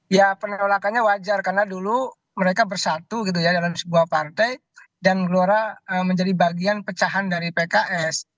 ya penolakannya wajar karena dulu mereka bersatu gitu ya dalam sebuah partai dan gelora menjadi bagian pecahan dari pks